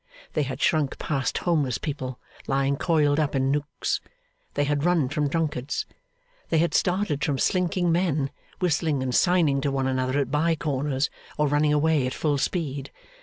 They had shrunk past homeless people, lying coiled up in nooks. They had run from drunkards. They had started from slinking men, whistling and signing to one another at bye corners, or running away at full speed.